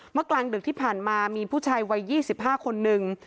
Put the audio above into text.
กลางดึกที่ผ่านมามีผู้ชายวัย๒๕คนนึง